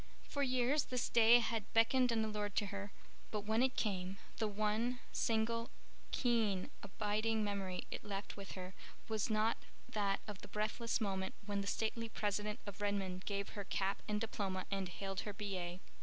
For years this day had beckoned and allured to her; but when it came the one single, keen, abiding memory it left with her was not that of the breathless moment when the stately president of Redmond gave her cap and diploma and hailed her B.A.